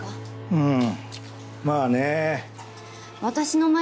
うん。